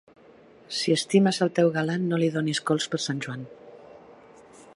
Si estimes el teu galant, no li donis cols per Sant Joan.